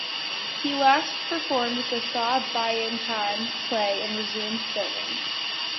He last performed the "Saw Bayin Khan" play and resumed filming.